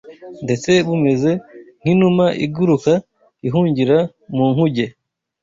ndetse bumeze nk’inuma iguruka ihungira mu nkuge